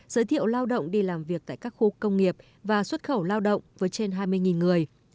giới thiệu lao động đi làm việc tại các khu công nghiệp và xuất khẩu lao động với trên hai mươi người